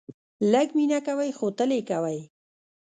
لږ مینه کوئ ، خو تل یې کوئ